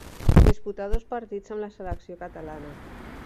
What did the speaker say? Disputà dos partits amb la selecció catalana.